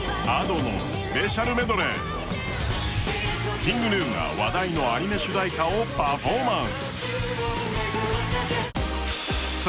ＫｉｎｇＧｎｕが話題のアニメ主題歌をパフォーマンス。